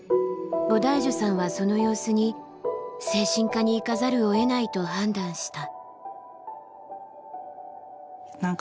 ボダイジュさんはその様子に精神科に行かざるをえないと判断した。